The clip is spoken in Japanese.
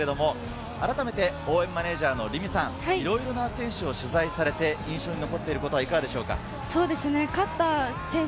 あらためて応援マネージャーの凛美さん、いろいろな選手を取材されて、印象に残っていることはいかがでしょう？